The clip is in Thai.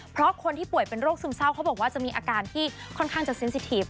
เพราะคนที่ป่วยเป็นโรคซึมเศร้าเขาบอกว่าจะมีอาการที่ค่อนข้างจะเซ็นสิทีฟ